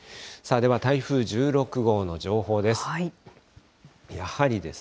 では台風１６号の情報です。